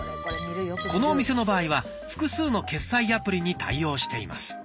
このお店の場合は複数の決済アプリに対応しています。